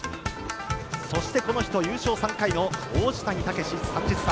そして、この人優勝３回の王子谷剛志、３０歳。